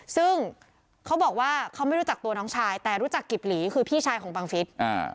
ซึ่งเขาบอกว่าเขาไม่รู้จักตัวน้องชายแต่รู้จักกิบหลีคือพี่ชายของบังฟิศ